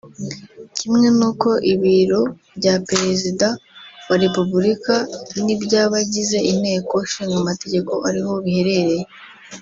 kimwe n’uko ibiro bya Perezida wa Repubulika n’iby’abagize Inteko Ishinga Amategeko ariho biherereye